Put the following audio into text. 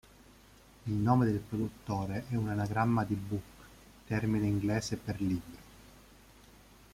Il nome del produttore è un anagramma di "book", termine inglese per libro.